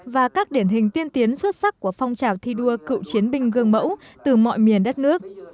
và các điển hình tiên tiến xuất sắc của phong trào thi đua cựu chiến binh gương mẫu từ mọi miền đất nước